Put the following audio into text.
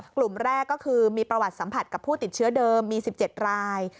กลุ่มแรกก็คือมีประวัติสัมผัสกับผู้ติดเชื้อเดิมมี๑๗ราย